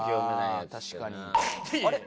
あれ？